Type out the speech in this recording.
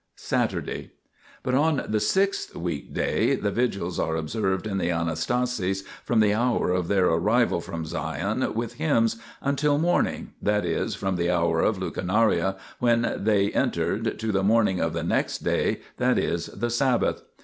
Saturday. But on the sixth weekday the vigils are observed in the Anastasis from the hour of their arrival from Sion with hymns, until morning, that is, from the hour of lucernare^ when they entered, to the morning of the next day, that is, the Sabbath.